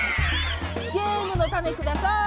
ゲームのタネください！